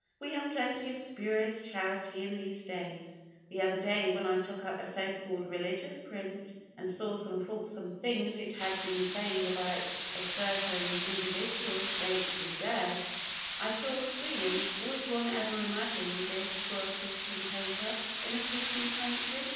We have plenty of spurious Charity in these days. The other day when I took up a so called "religious print," and saw some fulsome things it had been saying about a certain individual, lately dead, I thought, really, would one ever imagine this were a Christian paper, in a Christian country?